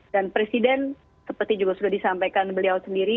dan presiden seperti juga sudah disampaikan beliau sendiri